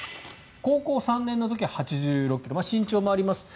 高校３年の時は８６ｋｇ身長もあります。